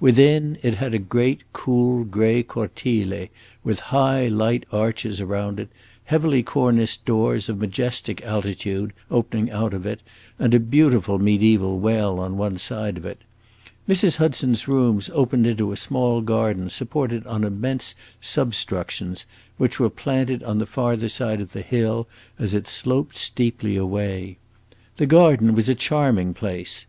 Within, it had a great, cool, gray cortile, with high, light arches around it, heavily corniced doors, of majestic altitude, opening out of it, and a beautiful mediaeval well on one side of it. Mrs. Hudson's rooms opened into a small garden supported on immense substructions, which were planted on the farther side of the hill, as it sloped steeply away. This garden was a charming place.